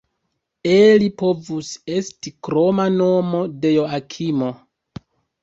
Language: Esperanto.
Eli povus esti kroma nomo de Joakimo.